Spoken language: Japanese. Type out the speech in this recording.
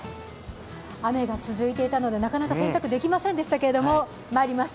雨が続いていたのでなかなか洗濯できませんでしたけれどまいります